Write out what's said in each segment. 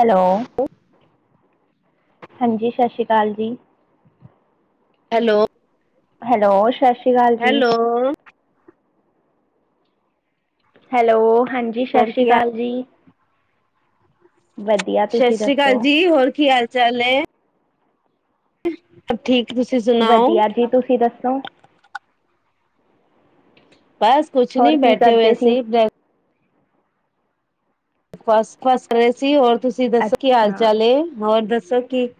Hello ਹਾਂਜੀ, ਸਸਿ ਸ੍ਰੀ ਕਾਲ ਜੀ ਹੈਲੋ ਹੈਲੋ ਸਿ ਸ੍ਰੀ ਕਾਲ ਜੀ ਹੈਲੋ। ਹੈਲੋ ਹਾਂਜੀ, ਹੋਰ ਸਾਛੀ ਕੀ ਕਾਲ ਜੀ ਵਧੀਆ ਸਸਿ ਤੁਸੀਂ ਸ੍ਰੀ ਦੱਸੋ ਕਾਲ ਜੀ ਹੋਰ ਕੀ ਹਾਲ ਚਾਲ ਏ। ਠੀਕ ਤੁਸੀਂ ਸੁਣਾਓ? ਵਧੀਆ ਜੀ ਤੁਸੀਂ ਦੱਸੋ ਬਸ ਕੁਛ ਨਹੀਂ ਹੋਰ ਕੀ ਬੈਠੇ ਹੋਏ ਕਰਦੇ ਸੀ ਫਸ ਫਸ ਰੇਸੀ ਹੋਰ ਤੁਸੀਂ ਦੱਸੋ ਕੀ ਹਾਲ ਅੱਛਾ ਚਾਲ ਏ ਹੋਰ ਦੱਸ ਸਕੀਤ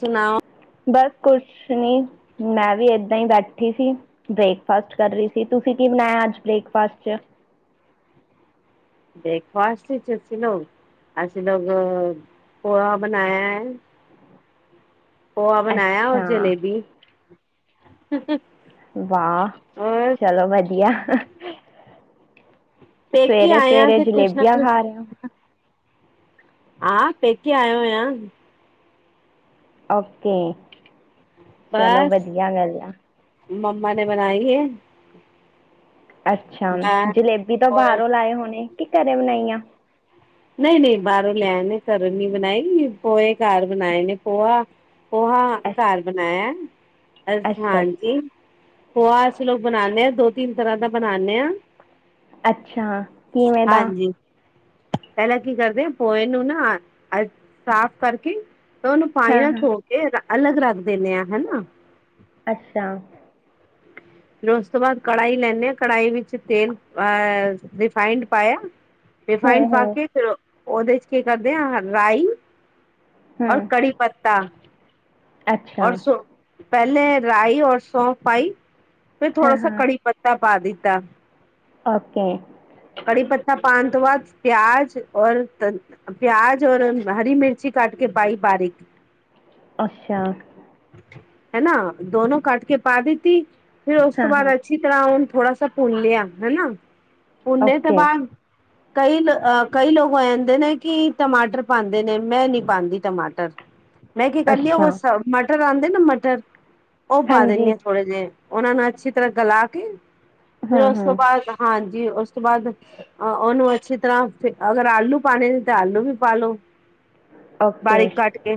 ਸੁਣਾਓ। ਬਸ ਕੁਛ ਨੀ ਮੈਂ ਵੀ ਏਦਾਂ ਹੀ ਬੈਠੀ ਸੀ, ਬ੍ਰੇਕਫਾਸਟ ਕਰ ਰਹੀ ਸੀ, ਤੁਸੀਂ ਕੀ ਬਣਾਯਾ ਅੱਜ ਬ੍ਰੇਕਫਾਸਟ ਚ ਬ੍ਰੇਕਫਾਸਟ ਵਿੱਚ ਅਸੀਂ ਲੋ ਅਸੀਂ ਲੋਗ ਪੋਹਾ ਬਣਾਯਾ ਐ। ਪੋਹਾ ਬਣਾਯਾ ਔਰ ਅੱਛਾ ਜਲੇਬੀ ਹ [inaudible] ਵਾਹ! ਚਲੋ ਵਧੀ ਵਧੀਆ। ਪੇਕੇ ਸਵੇਰੇ ਆਏ ਆ ਸਵੇਰੇ ਤੇ ਕੁਛ ਨਾ ਜਲੇਬੀਆਂ ਕੁਛ ਖਾ ਰਿਹੇ ਓ ਹਾਂ ਪੇਕੇ ਆਓ ਆ। ਓਕੇ। ਚਲੋ ਬਸ ਵਧੀਆ ਗੱਲ ਆ ਮੰਮਾ ਨੇ ਬਣਾਈ ਹੈ। [unintelligible] ਅੱਛਾ ਮੈਂ ਜਲੇਬੀ ਤੋਂ ਔਰ ਬਾਹਰੋਂ ਲਾਏ ਹੋਣੇ ਕੀ ਘਰੇ ਬਣਾਈ ਆ। ਨਹੀਂ ਨਹੀਂ ਬਾਹਰੋਂ ਲੈਣੇ ਕਰਨ ਨੀ ਬਣਾਈਗੀ ਪੋਹੇ ਘਰ ਬਣਾਏ ਨੇ ਪੋਆ। ਪੋਹਾ ਅੱਛ ਘਰ ਬਣਾਇਆ। ਅ ਅੱਛਾ ਹਾਂਜੀ ਪੋਹਾ ਅਸੀਂ ਲੋਕ ਬਣਾਉਦੇ ਹਾਂ। ਦੋ ਤਿੰਨ ਤਰ੍ਹਾਂ ਦਾ ਬਣਾਦੇ ਹੈ ਅੱਛਾ ਕਿਵੇਂ ਦਾ ਹਾਂਜੀ। ਪਹਿਲਾਂ ਕੀ ਕਰਦੇ ਆ ਪੋਹੇ ਨੂੰ ਨਾ ਅ ਸਾਫ਼ ਕਰਕੇ ਤਾਂ ਉਹਨੂੰ ਹਾਂ ਫਾਈਨਲ ਹਾਂ ਸ ਕੇ। ਅਲੱਗ ਰੱਖ ਦਿੰਦੇ ਹਾਂ ਹਨਾ। ਅੱਛਾ। ਫਿਰ ਉਸ ਤੋਂ ਬਾਅਦ ਕੜਾਹੀ ਲੈਂਦੇ ਆਾਂ ਕੜਾਹੀ ਵਿੱਚ ਤੇਲ ਅਹ ਰਿਫਾਇੰਡ ਪਾਇਆ। ਫਾਈ ਹੂੰ ਹੂੰ ਪਾਕੇ ਫਿਰ ਉਹਦੇ ਚ ਕੀ ਕਰਦੇ ਆ ਰਾਈ ਹੂੰ ਔਰ ਕੜੀ ਪੱਤਾ ਅੱਛਾ ਔਰ ਸੋ ਪਹਿਲੇ ਰਾਈ ਔਰ ਸੌਂਫ ਪਾਈ। ਹਾਂ ਫਿਰਥੋੜਾ ਹਾਂ ਕੜੀ ਪੱਤਾ ਪਾ ਦਿੱਤਾ। ਓਕੇ। ਕੜੀ ਪੱਤਾ ਪਾਉਣ ਉਸ ਤੋਂ ਬਾਅਦ ਪਿਆਜ ਔਰ ਪਿਆਜ ਔਰ ਹਰੀ ਮਿਰਚੀ ਕੱਟ ਕੇ ਪਾਈ ਬਾਰੀਕ ਅੱਛਾ। ਹਨਾ ਦੋਨਾਂ ਕੱਟ ਕੇ ਪਾ ਦਿੱਤੀ। ਫਿਰ ਉਸ ਤੋਂ ਹਾਂ ਹਾਂ ਬਾਅਦ ਅੱਛੀ ਤਰ੍ਹਾਂ ਥੋੜਾਸ ਪੁੰਨ ਲਿਆ ਹਨ ਨਾ। ਪੁੰਨੇ ਤਾਂ ਓਕੇ ਬਾਅਦ ਕਈ ਲੋਕ ਕਹਿੰਦੇ ਨੇ ਕਿ ਟਮਾਟਰ ਪਾਉਂਦੇ ਨੇ ਮੈਂ ਨਹੀਂ ਪਾਉਂਦੀ ਟਮਾਟਰ। ਮੈਂ ਕੀ ਕਹਦੀ ਅੱਛਾ ਮਟਰ ਆਉਂਦੇ ਨਾ ਮਟਰ ਉਹ ਪਾ ਹਾਂਜੀ ਦਿੰਦੀ ਥੋੜੇ ਜਿਹੇ ਉਹਨਾਂ ਨੂੰ ਅੱਛੀ ਤਰ੍ਹਾਂ ਗਲਾ ਕੇ ਫਿਰ ਹਾਂ ਉਸ ਹਾਂ ਤੋਂ ਬਾਅਦ ਹਾਂਜੀ। ਜੀ ਉਸ ਤੋਂ ਬਾਅਦ ਅਹ ਉਹਨੂੰ ਅੱਛੀ ਤਰ੍ਹਾਂ ਅਗਰ ਆਲੂ ਪਾਣੇ ਨੇ ਤਾਂ ਆਲੂ ਵੀ ਪਾਲੋ ਓਕੇ ਬਾਰੀਕ ਕੱਟ ਕੇ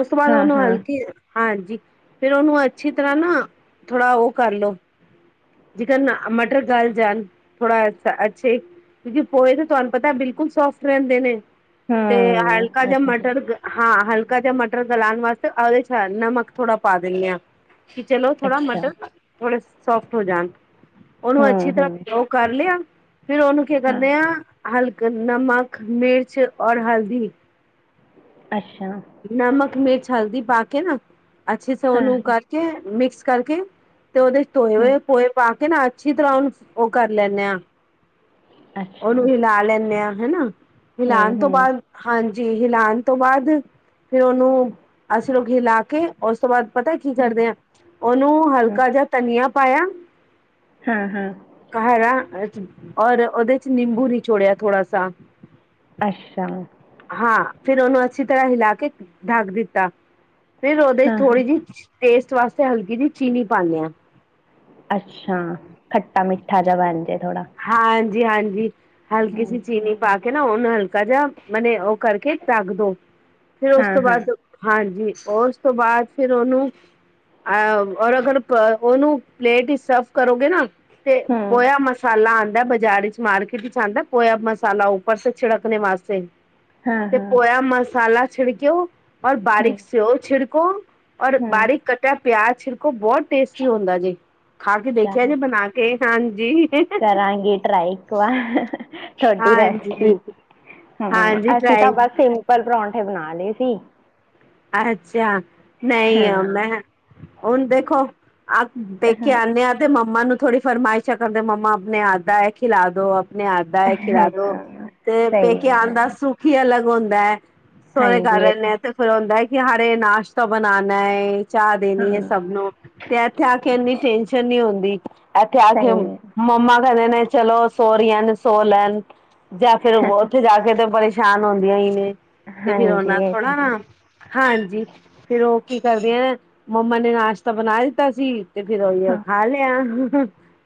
ਉਸ ਤੋਂ ਬਾਅਦ ਹਾਂ ਉਹਨੂੰ ਹਾਂ ਹਲਕੀ ਹਾਂਜੀ ਫਿਰ ਉਹਨੂੰ ਅੱਛੀ ਤਰ੍ਹਾਂ ਨਾ ਥੋੜ੍ਹਾ ਉਹ ਕਰਲੋ ਜੇਕਨ ਮਟਰ ਗਲ ਜਾਣ ਥੋੜਾ ਅੱਛੇ ਕਿਉਂਕਿ ਪੋਏ ਤਾਂ ਤੁਹਾਨੂੰ ਪਤਾ ਬਿਲਕੁਲ ਸੋਫਟ ਰਹਿੰਦੇ ਨੇ ਤੇ ਹੂੰ ਹਲਕਾ ਉਹ ਜਾਂ ਤਾਂ ਹੈ ਮਟਰ ਹਾਂ ਹਲਕਾ ਹਲਕਾ ਜਾਂ ਮਟਰ ਗਲਾਉਣ ਵਾਸਤੇ ਉਹਦੇ ਚ ਨਮਕ ਥੋੜਾ ਪਾ ਦਿੰਦੇ ਹਾਂ ਕਿ ਚਲੋ ਥੋੜਾ ਅੱਛਾ ਮਟਰ ਥੋੜੇ ਸੋਫਟ ਹੋ ਜਾਣ ਹੂੰ ਹੂੰ ਉਹ ਕਰ ਲਿਆ ਫਿਰ ਉਹਨੂੰ ਕੀ ਹਾਂ ਕਰਦੇ ਆ ਹਲਕ ਨਮਕ ਮਿਰਚ ਔਰ ਹਲਦੀ ਅੱਛਾ ਨਮਕ ਮਿਰਚ ਹਲਦੀ ਪਾ ਕੇ ਨਾ ਅੱਛੇ ਸੇ ਹਾਂ ਉਹਨੂੰ ਹਾਂ ਕਰਕੇ ਮਿਕਸ ਕਰਕੇ ਤੇ ਉਹਦੇ ਚ ਧੋਏ ਹੂੰ ਹੋਏ ਪੋਏ ਪਾ ਕੇ ਨਾ ਅੱਛੀ ਤਰ੍ਹਾਂ ਉਹਨੂੰ ਉਹ ਕਰ ਲੈਂਣੇ ਆ ਅੱਛਾ ਉਹਨੂੰ ਹੂੰ ਹੀਲਾ ਲੈਣੇ ਆ ਹਨਾ ਹੂੰ ਹਿਲਾਨ ਤੋਂ ਬਾਅਦ ਹੂੰ, ਹਾਂਜੀ ਜੀ ਹਿਲਾਉਣ ਤੋਂ ਬਾਅਦ ਫਿਰ ਉਹਨੂੰ ਅਸੀਂ ਲੋਕ ਹਿਲਾ ਕੇ ਉਸ ਤੋਂ ਬਾਅਦ ਪਤਾ ਕੀ ਕਰਦੇ ਆ ਉਹਨੂੰ ਹੂੰ ਹਲਕਾ ਜਾ ਤਨੀਆ ਪਾਇਆ ਹਾਂ ਹਾਂ ਘਰ ਔਰ ਉਹਦੇ ਨਿੰਬੂ ਨਿਚੋੜਿਆ ਥੋੜਾ ਸਾ ਅੱਛਾ ਹਾਂ ਫਿਰ ਉਹਨੂੰ ਅੱਛੀ ਤਰ੍ਹਾਂ ਹਿਲਾ ਕੇ ਢੱਕ ਦਿੱਤਾ ਫਿਰ ਉਹਦੇ ਚ ਹਾਂ ਹਾਂ ਥੋੜੀ ਜਿਹੀ ਟੇਸਟ ਵਾਸਤੇ ਹਲਕੀ ਜੀ ਚੀਨੀ ਪਾਨੇ ਆਂ। ਅੱਸ਼ਾਂ, ਖੱਟਾ-ਮਿੱਠਾ ਜਿਹਾ ਬਨ ਜੇ ਥੋੜਾ ਹਾਂਜੀ, ਹਾਂਜੀ। ਹਲਕੀ ਜੀ ਚੀਨੀ ਪਾ ਕੇ ਨਾ ਹੁਨ ਹਲਕਾ ਜੇਆ ਮਨੇ ਓ ਕਰਕੇ ਟਾਕ ਦੋ ਫੇਰ ਉਸ ਹਾਂ ਤੋ ਹਾਂ ਬਾਦ, ਹਾਂਜੀ। ਉਸ ਤੋ ਬਾਦ ਫੇਰ ਓਨੂੰ [inaudible] ਓਨੂੰ ਪਲੇਟ ਚ ਸਰਵ ਕਰੋਗੇ ਨਾ ਤੇ [inaudible] ਹੂੰ ਆਂਦਾ ਐ ਬਾਜ਼ਾਰ ਵਿਚ ਮਾਰਕੀਟ ਵਿਚ ਆਂਦਾ ਪੋਯਾ ਮਸਾਲਾ, ਉੱਪਰ ਸੇ ਛਿੜਕਨੇ ਵਾਸਤੇ ਹਾਂ ਤੇ ਹਾਂ ਪੋਯਾ ਮਸਾਲਾ ਛਿੜਕਯੋ ਔਰ ਹੂੰ ਬਾਰੀਕ [inaudible] [inaudible] ਔਰ ਹੂੰ ਬਾਰੀਕ ਕਟਆ ਪਿਆਜ ਛਿੜਕੋ ਬੋਤ ਟੇਸਟੀ ਹੋਂਦਾ ਜੇ। ਖਾ ਕੇ ਦੇਖਿਆ ਜੇ ਬਨਾ ਕੇ? ਹਾਂਜੀ। ਕਰਾਂਗੀ ਟਰਾਈ ਇੱਕ ਵਾਰ ਤੁਆਡੀ ਹਾਂਜੀ ਰੈਸਪੀ। ਹੂੰ, ਹਾਂਜੀ ਅਸੀ ਤਾ ਟਰਾਈ ਬਸ ਸਿੰਪਲ ਪ੍ਰੋਂਠ ਬਨਾ ਲੇ ਸੀ‌। ਅੱਛਾ। ਨਈ [inaudible] ਹਾਂ ਮੈਂਹ, ਹੁਨ ਦੇਖੋ ਆਹ ਪੇਕੇ ਹਾਂ ਆਨੇ ਆ ਤੇ ਮੰਮਾ ਨੂੰ। ਥੋੜੀ ਫਰਮਾਇਸ਼ਾ ਕਰਦੇ ਮੰਮਾ ਅਪਨੇ ਹੱਥ ਦਾ ਐ ਖਿਲਾ ਦੋ। ਅਪਨੇ ਹੱਥ ਦਾ ਏਹ ਖਿਲਾ ਦੋ, ਹਾਂ ਤੇ ਸਹੀ ਪੇਕੇ ਹੈ ਆਨ ਦਾ ਸੁੱਖ ਹੀ ਅਲੱਗ ਹੋਂਦਾ ਐ ਸੋਏ ਹਾਂਜੀ ਇਹ ਕਾਰਨ ਤਾਂ ਐ ਤੇ ਫੇਰ [inaudible] ਨਾਸ਼ਤਾ ਬਨਾਨਾ ਏ। ਚਾਹ ਦੇਨੀ ਏ ਹਾਂ ਸਭ ਨੂੰ, ਤੇ ਐਥੇ ਆ ਕੇ [inaudible] [inaudible] ਨੀ ਹੋਂਦੀ ਐਥੇ ਆ ਕੇ ਹੁਨ ਸਹੀ ਮੰਮਾ [inaudible] ਚਲੋ [inaudible] ਸੋ ਲੇਨ ਜਾ ਫੇਰ ਹੋਰ ਹੈ ਓਥੇ ਜਾ ਕੇ ਤੇ [inaudible] [inaudible] ਹੋਂਦੀਆਂ ਈ ਨੇ। [inaudible] ਹਾਂਜੀ ਇਹ ਤਾਂ ਹੈ ਹਾਂਜੀ, ਫੇਰ ਓ ਕੀ ਕਰਦੇ ਐਂ, ਮੰਮਾ ਨੇ ਨਾਸ਼ਤਾ ਬਨਾ ਦਿੱਤਾ ਸੀ। ਤੇ ਫਿਰ ਓਹੀਓ ਹਾਂ ਖਾ ਲਿਆ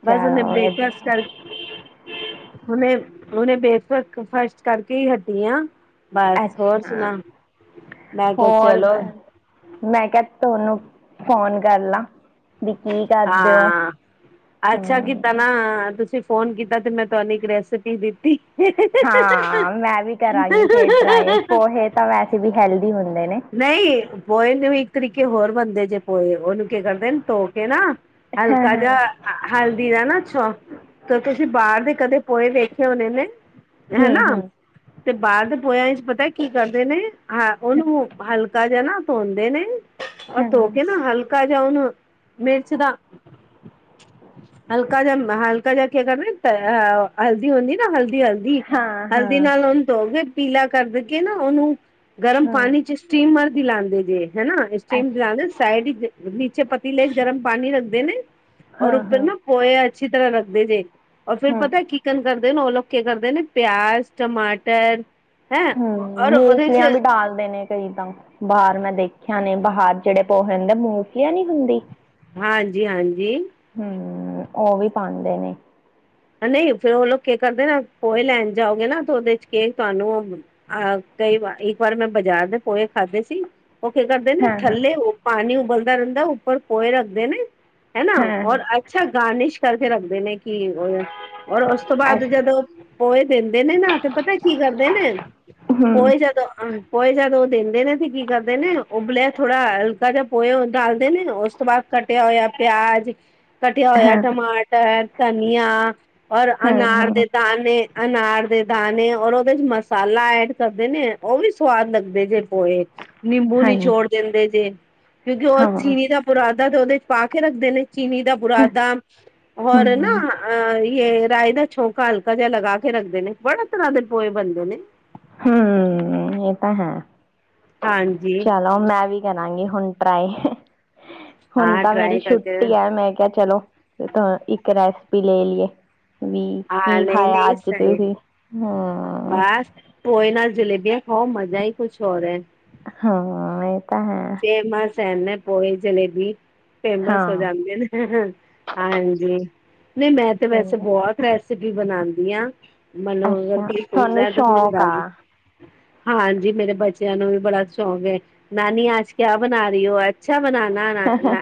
ਬਸ ਚਲੋ ਹੁਨੇ ਬ੍ਰੇਕਫਾਸਟ ਵਧੀਆ ਕਰ ਹੁਨੇ ਹੂਨੇ ਬੇ੍ਕ ਫਾਸ਼ਟ ਫਸ਼ਟ ਕਰਕੇ ਹੀ ਹਟੀ ਆ। ਬਸ ਹੋਰ ਸੁਣਾ। ਅੱਛਾ ਕਿਹਾ ਹੋਰ ਚਲੋ ਮੈਂ, ਮੈਂ ਕਿਹਾ ਤੁਨੂੰ ਫੋਨ ਕਰ ਲਾਂ। ਵੀ ਕੀ ਕਰਦੇ ਹੋ ਹਾਂ, ਅੱਛਾ ਕਿਦ ਹਮ, ਨਾ ਤੁਸੀਂ ਫੋਨ ਕੀਤਾ ਤੇ ਮੈਂ ਤੁਹਾਨੂੰ ਇੱਕ ਰੈਸਿਪੀ ਦਿੱਤੀ। ਹਾਂ ਮੈਂ ਵੀ ਕਰਾਂਗੀ ਫੇਰ ਟਰਾਈ ਪੋਹੇ ਤਾਂ ਵੈਸੇ ਵੀ ਹੈਲਦੀ ਹੁੰਦੇ ਨੇ ਨਹੀਂ ਬੋਏ ਨਹੀਂ ਤਰੀਕੇ ਹੋਰ ਬੰਦੇ ਜੇ ਪੋਹੇ ਉਹਨੂੰ ਕੇ ਕਰਦੇਂ ਧੋ ਕੇ ਨਾ ਹਾਂ ਹਲਕਾ ਹਾਂ ਜਿ ਹਲਦੀ ਦਾ ਨਾ ਛ ਤੁਸੀਂ ਬਾਹਰ ਦੇ ਕਦੇ ਪੋਹੇ ਵੇਖੇ ਹੋਨੇ ਨੇ ਹੈਨਾ, ਹੂੰ ਹੂੰ ਤੇ ਬਾਹਰ ਦੇ ਪੋਹੇਆਂ ਪਤਾ ਕੀ ਕਰਦੇ ਨੇ ਹਾਂ ਉਹਨੂੰ ਹਲਕਾ ਜਯਾ ਨਾ ਧੋਂਦੇ ਨੇ ਔਰ ਧੋ ਹਾਂ ਕੇ ਨਾ ਹਲਕਾ ਜਾਓ ਨਾ। ਮੇਚਦਾ, ਹਲ ਹਲਕਾ ਜਿ ਹਲਕਾ ਜਿਹਾ ਕੇ ਕਰਦੇ ਅ ਹਲਦੀ ਹੁੰਦੀ ਨਾ, ਹਲਦੀ ਹਲਦੀ, ਹਾਂ ਹਾਂ ਹਲਦੀ ਨਾਲ ਉਹਨੂੰ ਧੋਗੇ ਪੀਲਾ ਕਰ ਦੇ ਕੇ ਨਾ ਉਹਨੂੰ ਗਰਮ ਹੂੰ ਪਾਣੀ ਚ ਸਟੀਮਰ ਦੀਲਾੰਦੇ ਜੇ। ਹੈਨਾ ਇਸਟੀਮ ਅੱਛਾ ਲਗਾ ਦੇ ਸਾਈਡ ਚ ਨੀਚੇ ਪਤੀਲੈ ਗਰਮ ਪਾਣੀ ਰੱਖਦੇ ਨੇ ਔਰ ਹਾਂ ਉੱਪਰ ਹਾਂ ਨਾ ਪੋਹੇ ਅੱਛੀ ਤਰ੍ਹਾਂ ਰਖ ਦੇ, ਦੇ ਔਰ ਫਿਰ ਹੂੰ ਪਤਾ ਕੀਕਨ ਕਰਦੇ ਨੇ ਉਹ ਲੋਕ ਕਰਦੇ ਨੇ ਪਿਆਜ਼ ਟਮਾਟਰ ਹੈਂ ਹਮ ਔਰ ਉਹਦੇ ਮੂੰਗਫਲੀਆਂ ਚ ਵੀ ਡਾਲਦੇ ਨੇ ਕਈ ਤਾਂ ਬਾਹਰ ਮੈਂ ਦੇਖਿਆ ਨੇ ਬਾਹਰ ਜਿਹੜੇ ਪੋਹੇ ਹੁੰਦੇ ਮੂੰਫਲੀਆਂ ਨੀ ਹੁੰਦੀ। ਹਾਂਜੀ, ਹਾਂਜੀ। ਹੂੰ ਉਹ ਵੀ ਪਾਉਂਦੇ ਨੇ ਨਹੀਂ ਫੇਰ, ਉਹ ਲੋਕ ਕੀ ਕਰਦੇ ਨਾ ਪੋਹੇ ਲੈਣ ਜਾਓਗੇ ਨਾ ਤੇ ਉਹਦੇ ਚ ਕੇ ਤੁਹਾਨੂੰ ਕਈ ਵਾਰ ਇੱਕ ਵਾਰ ਮੈਂ ਬਾਜ਼ਾਰ ਦੇ ਪੋਹੇ ਖਾਧੇ ਸੀ। ਉਹ ਕੀ ਕਰਦੇ ਨੇ, ਹਾਂ ਹਾਂ ਥੱਲੇ ਓ ਪਾਣੀ ਬਲਦਾ ਰਹਿੰਦਾ ਉੱਪਰ ਕੋਏ ਰੱਖਦੇ ਨੇ। ਹੈ ਨਾ ਹਾਂ ਹਾਂ ਔਰ ਅੱਛਾ ਗਾਰਨਿਸ਼ ਕਰਕੇ ਰੱਖਦੇ ਨੇ ਕੀ। ਔਰ ਉਸ ਤੋਂ ਬਾਅਦ ਅੱਛਾ ਜਦੋਂ ਪੋਏ ਦੇਨੇ ਨਾ ਤੇ ਪਤਾ ਕੀ ਕਰਦੇ ਨੇ ਹੂੰ ਪੋਏ ਜਦੋਂ ਪੋਏ ਜਦ ਉਹ ਦਿੰਦੇ ਨੇ ਤੇ ਕੀ ਕਰਦੇ ਨੇ ਉਬਲਿਆ ਥੋੜਾ ਹਲਕਾ ਜਿ ਪੋਏ ਡਾਲਦੇ ਨੇ ਉਸ ਤੋਂ ਬਾਅਦ ਕੱਟਿਆ ਹੋਇਆ ਪਿਆਜ ਕਟਿਆ ਹੋਇਆ ਹਾਂ ਹਾਂ ਟਮਾਟਰ ਧਨੀਆਂ ਔਰ ਹਾਂ ਅਨਾਰ ਹਾਂ ਦੇ ਦਾਣੇ, ਅਨਾਰ ਦੇ ਦਾਣੇ ਔਰ ਉਹ ਉਹਦੇ ਚ ਮਸਾਲਾ ਐਡ ਕਰਦੇ ਨੇ ਉਹ ਵੀ ਸਵਾਦ ਲੱਗਦੇ ਜੇ। ਪੋਏ ਨਿੰਬੂ ਹਾਂਜੀ ਨਿਚੋੜ ਦਿੰਦੇ ਜੇ ਕਿਉਂਕਿ ਉਹ ਅੱਸੀ ਹਾਂ ਨੀ ਤਾਂ ਪੁਰਾ ਦਾ ਤੇ ਉਹਦੇ ਚ ਪਾ ਕੇ ਰੱਖਦੇ ਨੇ। ਚੀਨੀ ਦਾ ਬੁਰਾਦਾ ਹੋਰ ਨਾ ਹਮ ਹਮ ਅ ਰਾਏ ਦਾ ਛੋਕਾ ਹਲਕਾ ਜਿਹਾ ਲਗਾ ਕੇ ਰੱਖਦੇ ਨੇ। ਬੜੇ ਤਰ੍ਹਾਂ ਦੇ ਪੋਏ ਬਣਦੇ ਨੇ। ਹਾਂ, ਇਹ ਤਾਂ ਹੈ। ਹਾਂਜੀ ਚਲੋ, ਮੈਂ ਵੀ ਕਰਾਂਗੀ ਹੁਣ ਟਰਾਈ। ਹੁਣ ਤਾਂ ਮੇਰੀ ਛੁੱਟੀ ਹੈ ਮੈਂ ਕਿਹਾ ਚਲੋ ਇੱਕ ਰੈਸਪੀ ਲਈਏ। ਵੀ ਹਾਂ, ਕੀ ਨਹੀਂ ਖਾਇਆ ਨਹੀਂ। ਅੱਜ ਸਹੀ ਤੁਸੀਂ ਹਾਂ ਬਸ ਪੋਏ ਨਾਲ ਜਲੇਬੀ। ਹੋ ਮਜ਼ਾ ਹੀ ਕੁਛ ਹੋਰ ਐ। ਹਾਂ, ਏ। ਤਾਂ ਹੈ। ਹੈ ਨਾ ਪੋਏ ਜਲੇਬੀ। ਫੇਮਸ ਹੋ ਹਾਂ ਜਾਂਦੇ ਨੇ, ਹਾਂਜੀ। ਨਹੀਂ, ਮੈਂ ਤੇ ਵੈਸੇ ਸਹੀ ਬਹੁਤ ਰੈਸਪੀ ਵੀ ਬਣਾਂਦੀ ਆਂ। ਅੱਛਾ ਮਤਲਬ ਤੁਹਾਨੂੰ ਸ਼ੌਕ ਆ [unintelligible] ਹਾਂਜੀ। ਮੇਰੇ ਬੱਚਿਆਂ ਨੂੰ ਬੜਾ ਸ਼ੌਕ ਹੈ। ਨਾਨੀ ਆਜ ਕਿਆ ਬਣਾ ਰਹੀ ਹੋ। ਅੱਛਾ ਬਣਾ ਨਾ ਨਾ ਨਾ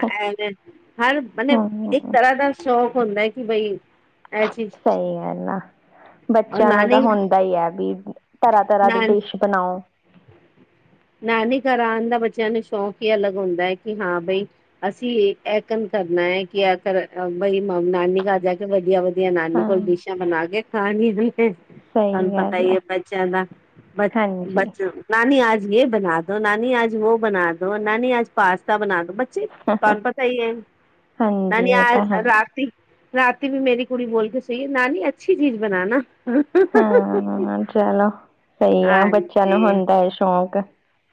ਹਰ ਮਨ ਇੱਕ ਹਮ ਤਰ੍ਹਾਂ ਦਾ ਸ਼ੌਕ। ਹੁੰਦਾ ਐ ਕਿ ਬਈ ਇਹ ਚੀਜ਼ ਸਹੀ ਗੱਲ ਐ ਨਾ ਔਰ ਬੱਚਿਆਂ ਨੂੰ ਤਾਂ ਨਾਨੀ ਹੁੰਦਾ ਹੀ ਹੈ ਵੀ। ਤਰ੍ਹਾਂ-ਤਰ੍ਹਾਂ ਦੀ ਨਾਨ ਡਿਸ਼ ਬਣਾਓ, ਨਾਨੀ ਘਰ ਆਣ ਦਾ ਬੱਚਿਆਂ ਨੂੰ ਸ਼ੌਕ ਈ ਅਲੱਗ ਹੁੰਦਾ ਏ, ਕਿ ਹਾਂ ਬਈ ਅਸੀਂ ਏ ਐਕਨ ਕਰਨਾ ਹੈ, ਕਿ ਏ ਕਰ ਬਈ ਮਾ ਨਾਨੀ ਘਰ ਜਾ ਕੇ ਵਧੀਆ-ਵਧੀਆ। ਦੀਆਂ ਨਾਨੀ ਕੋਲ ਹਾਂ ਡਿਸ਼ਾਂ ਬਣਾ ਕੇ ਖਾਣੀ, ਤੁਹਾਨੂੰ ਸਹੀ ਪਤਾ ਗੱਲ ਈ ਆ ਏ ਬੱਚਿਆਂ ਦਾ ਬ ਬ। ਹਾਂਜੀ ਨਾਨੀ ਆਜ ਜੇ ਬਣਾ ਦੋ ਨਾਨੀ ਆਜ ਵੋ ਬਣਾ ਦੋ ਨਾਨੀ ਆਜ ਪਾਸਤਾ ਬਣਾ। ਬੱਚੇ ਤੁਹਾਨੂੰ ਪਤਾ ਈ ਏ ਹਾਂਜੀ ਨਾਨੀ ਇਹ ਆ ਤਾਂ ਹੈ ਰਾਤੀ ਰਾਤੀ ਵੀ ਮੇਰੀ ਕੁੜੀ ਬੋਲ ਕੇ ਸੋਈ, ਨਾਨੀ ਅੱਛੀ ਚੀਜ਼ ਬਣਾਨਾ। ਹਾਂ ਚਲੋ ਸਈ ਆ ਬੱਚਾ। ਹਾਂਜੀ ਹੁੰਦਾ ਏ ਸ਼ੌਂਕ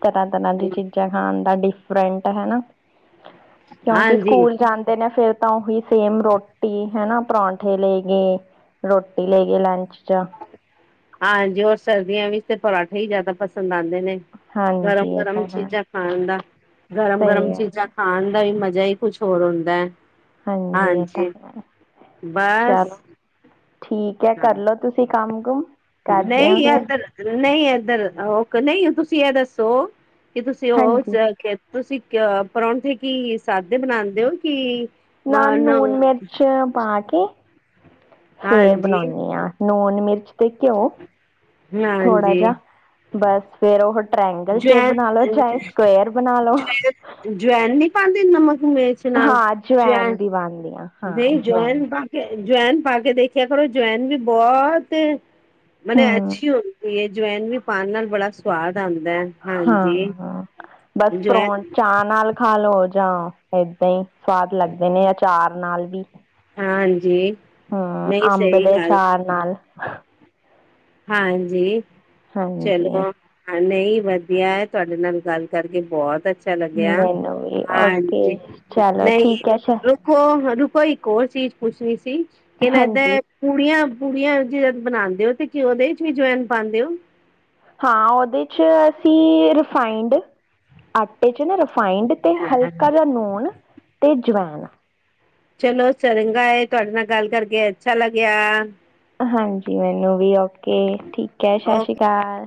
ਤਰ੍ਹਾਂ-ਤਰ੍ਹਾਂ ਦੀ ਚੀਜ਼ਾਂ ਖਾਣ। ਬੰਦਾ ਡਿਫਰੈਂਟ ਹੈਨਾ। ਕਿਉਂਕਿ ਹਾਂਜੀ ਸਕੂਲ ਜਾਂਦੇ ਨੇ ਫੇਰ, ਤਾਂ ਉਹੀ ਸੇਮ ਰੋਟੀ ਹੈ, ਨਾ ਪਰੌਠੇ ਲੈਗੇ ਰੋਟੀ ਲੈਗੇ ਲੰਚ [unintelligible] ਹਾਂਜੀ ਹੋਰ ਸਰਦੀਆਂ ਵਿੱਚ ਤੇ ਪਰਾਂਠੇ ਹੀ ਜ਼ਿਆਦਾ ਪਸੰਦ ਆਉਂਦੇ। ਦਿਨੇ ਗਰਮ ਹਾਂਜੀ ਇਹ ਗਰਮ ਤਾਂ ਹੈ ਚੀਜ਼ਾਂ ਖਾਣ ਦਾ। ਗਰਮ-ਗਰਮ, ਸਹੀ ਹੈ ਚੀਜ਼ਾਂ ਖਾਣ ਦਾ ਈ ਮਜ਼ ਜੇ ਹੀ ਕੁਛ ਹੋਰ ਹੁੰਦਾ। ਹਾਂਜੀ ਇਹ ਤਾਂ ਹੈ ਬਸ ਚਲੋ ਠੀ। ਕਿਆ ਹਾਂ ਕਰਲਓ ਤੁਸੀਂ ਕ। ਕੰਮਗਮ [inaudible] ਨਹੀਂ ਇੱਧਰ ਨਹੀ ਇ। ਧਰ ਉਹ ਕ ਨਹੀਂ, ਤੁਸੀਂ ਇਹ ਦੱਸੋ? ਕੀ ਤੁਸੀਂ ਉਹ ਹਾਂਜੀ ਚ ਖੇ? ਤੁਸੀਂ ਕ ਅ ਪ੍ਰੌਣਠੇ ਕੀ ਸਾਦੇ ਬਣਾਦੇ ਹੋ ਕਿ? ਨਾਲ ਨੂਣ ਹਾਂਜੀ ਮਿਰਚ ਪਾ ਕੇ, ਫੇਰ ਬਣਾਣੀ ਹਾਂ ਨੂਨ ਮਿਰਚ। ਤੇ ਘਿਓ ਥੋੜਾ ਹਾਂਜੀ ਜਿਆ ਬਸ ਫੇਰ ਉਹ। ਟ੍ਰਾਇੰਗਲ ਸ਼ੇਪ ਜਵਾਨ ਬਣਾ ਲਓ ਚਾਹੇ ਸਕੁਅਰ ਬਣਾ ਲਓ ਜ ਜਵੈਨ ਨੀ ਪਾ ਨਮਕ ਮਿਰਚ ਹਾਂ ਜਵੈਨ ਵੀ ਪਾਉਂਦੀ ਹਾਂ। ਦਹੀਂ ਜਵੈਨ ਪਾ ਕੇ ਜਵੈਨ ਪਾ ਕੇ ਦੇਖਿਆ ਕਰੋ ਜਵੈਨ ਵੀ ਬਹੁਤ ਮਨੇ ਹੂੰ ਅੱਛੀ ਹੁੰਦੀ ਏ। ਜਵੈਨ ਵੀ ਪਾਣ ਨਾਲ ਬੜਾ ਸਵਾਦ ਆਉਂਦਾ ਹੈ ਹਾਂ ਹਾਂਜੀ ਹਾਂ ਬਸ ਪਰੋਣ ਜਵੈਨ ਚਾਅ ਨਾਲ ਖਾ ਲਓ। ਜਾਂ ਏਦਾਂ ਈ ਸਵਾਦ ਲੱਗਦੇ ਨੇ ਅਚਾਰ ਨਾਲ ਵੀ। ਹਾਂਜੀ। ਹਾਂ ਨਹੀਂ ਅੰਬ ਸਹੀ ਦੇ ਗੱਲ ਚਾਰ ਨਾਲ। ਹਾਂਜੀ ਹਾਂਜੀ ਚਲੋ। ਨਹੀਂ ਵਧੀਆ ਐ। ਤੁਹਾਡੇ ਨਾਲ ਗੱਲ ਕਰਕੇ ਬਹੁਤ ਅ ਛਾ ਲੱਗਿਆ। ਮੈਨੂੰ ਵੀ ਹਾਂਜੀ, ਓਕੇ ਚਲੋ ਨਹੀਂ ਠੀਕ ਹੈ ਸ਼ ਰੁਕੋ ਰੁ ਕੋਈ ਇੱਕ ਹੋਰ ਚੀਜ਼ ਪੁੱਛਣੀ ਸੀ। ਕੇ ਨਾ ਇੱਦਾਂ ਹਾਂਜੀ ਐ ਪੂੜੀਆਂ ਪੂੜੀਆਂ ਜਿਦੇ ਤੇ ਬਣਾਉਦੇ ਹੋ ਤੇ ਤੇ ਉਹਦੇ ਇਚ ਵੀ ਜਵੈਨ ਪਾਉਂਦੇ ਹੋ? ਹਾਂ ਉਹਦੇ 'ਚ ਅਸੀਂ ਰਿਫਾਈੰਡ ਆਟੇ ਚ ਨਾ ਰਿਫਾਇੰਡ ਤੇ ਹਲਕਾ ਜਿਹਾ ਨੂਣ। ਤੇ ਜਵੈਨ। ਚਲੋ ਚੰਗਾ ਏ ਤੁਹਾਡੇ ਨਾਲ ਗੱਲ ਕਰਕੇ ਅੱਛਾ ਲੱਗਿਆ। ਹਾਂਜੀ ਮੈਨੂੰ ਵੀ ਉਹ ਓਕੇ ਠੀਕ ਏ ਸਤਿ ਓ ਸ਼੍ਰੀ ਅਕਾਲ।